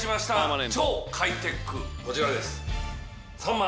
こちらです。